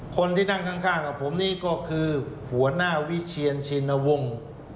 คนที่นั่งข้างกับผมนี่ก็คือหัวหน้าวิเชียนชินวงศ์